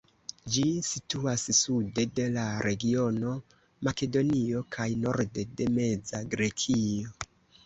Ĝi situas sude de la regiono Makedonio kaj norde de Meza Grekio.